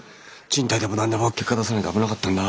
賃貸でも何でも結果出さないと危なかったんだ。